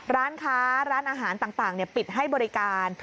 ร้านค้าร้านอาหารต่างปิดให้บริการ